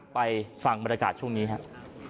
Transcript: ไปฟังบรรยากาศช่วงนี้ครับ